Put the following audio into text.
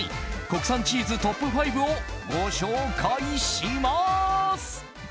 国産チーズトップ５をご紹介します。